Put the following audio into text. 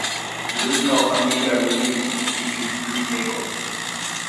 The original Amiga release featured three tables.